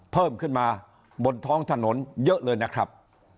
เพิ่มขึ้นมาบนท้องถนนเยอะเลยนะครับ